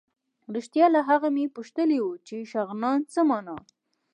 رښتیا له هغه مې پوښتلي وو چې شغنان څه مانا.